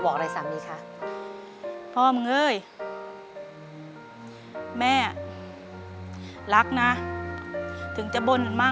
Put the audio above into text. เปลี่ยนเพลงเก่งของคุณและข้ามผิดได้๑คำ